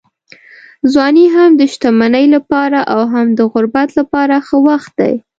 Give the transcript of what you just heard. ځواني هم د شتمنۍ لپاره او هم د غربت لپاره ښه وخت دی.